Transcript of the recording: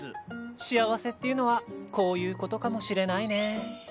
幸せっていうのはこういうことかもしれないね！